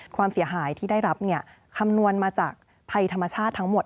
ความเสียหายที่ได้รับคำนวณมาจากภัยธรรมชาติทั้งหมด